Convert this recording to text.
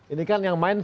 ini kan yang main